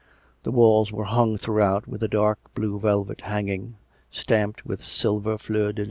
The walls were hung throughout with a dark blue velvet hanging, stamped with silver fleur de lys.